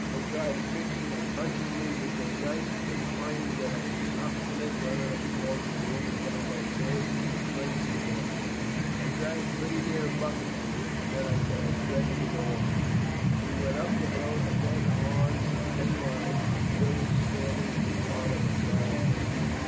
"They tried kicking and punching me with their guns, but finding that I was obstinate, one of them called to a woman down by the village to bring some water. I drank pretty near a bucketful, and then said I was ready to go on. We went up the hill and then on some ten miles to a village standing in the heart of a wild country.